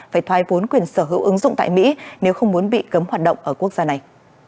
phải thoái vốn quyền sở hữu ứng dụng tại mỹ nếu không muốn bị cấm hoạt động ở quốc gia này